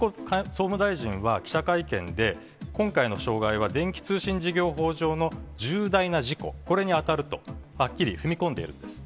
総務大臣は、記者会見で、今回の障害は、電気通信事業法上の重大な事故、これに当たるとはっきり踏み込んでいるんです。